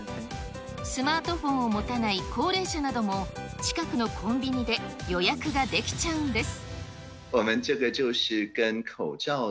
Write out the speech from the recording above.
スマートフォンを持たない高齢者なども、近くのコンビニで予約ができちゃうんです。